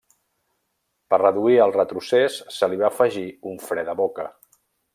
Per reduir el retrocés se li va afegir un fre de boca.